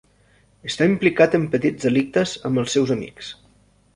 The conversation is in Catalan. Està implicat en petits delictes amb els seus amics.